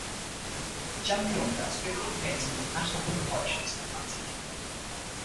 Jan the Younger has fifteen paintings in National public collections in the United Kingdom.